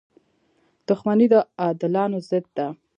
• دښمني د عادلانو ضد ده.